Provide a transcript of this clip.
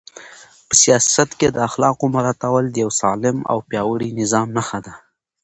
په سیاست کې د اخلاقو مراعاتول د یو سالم او پیاوړي نظام نښه ده.